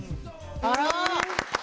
あら？